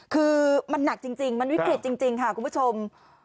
คือมันหนักจริงมันวิกฤตจริงค่ะคุณผู้ชม